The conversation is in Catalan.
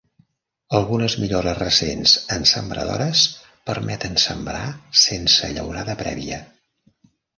Algunes millores recents en sembradores permeten sembrar sense llaurada prèvia.